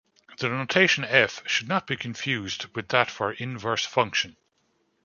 The notation "f" should not be confused with that for inverse function.